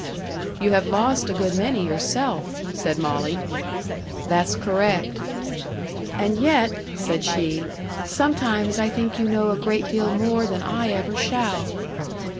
"You have lost a good many yourself," said Molly. "That's correct." "And yet," said she, "sometimes I think you know a great deal more than I ever shall."